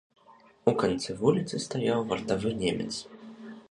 У канцы вуліцы стаяў вартавы немец.